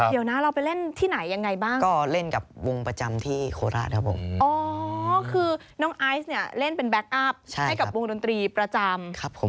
เดี๋ยวนะเราไปเล่นที่ไหนยังไงบ้างก็เล่นกับวงประจำที่โคราชครับผมอ๋อคือน้องไอซ์เนี่ยเล่นเป็นแก๊คอัพให้กับวงดนตรีประจำครับผม